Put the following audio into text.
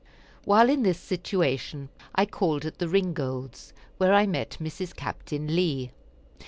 While in this situation I called at the Ringolds, where I met Mrs. Captain Lee.